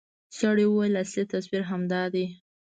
سړي وويل اصلي تصوير همدا دى.